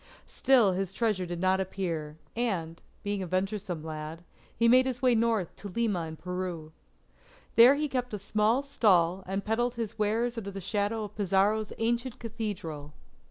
Still his treasure did not appear, and, being a venturesome lad, he made his way north to Lima in Peru. There he kept a small stall and peddled his wares under the shadow of Pizarro's ancient Cathedral.